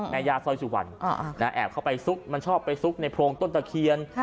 ย่าสร้อยสุวรรณแอบเข้าไปซุกมันชอบไปซุกในโพรงต้นตะเคียน